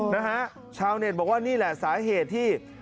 นะฮะชาวเน็ตบอกว่านี่แหละสาเหตุที่